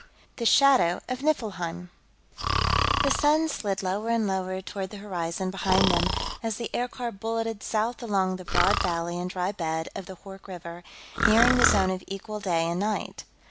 The Shadow of Niflheim The sun slid lower and lower toward the horizon behind them as the aircar bulleted south along the broad valley and dry bed of the Hoork River, nearing the zone of equal day and night.